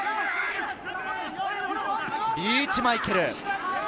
リーチ・マイケル。